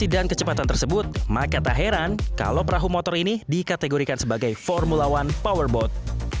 dan kecepatan tersebut maka tak heran kalau perahu motor ini dikategorikan sebagai formula one powerboat